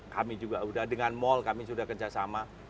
kami juga sudah dengan mal kami sudah kerjasama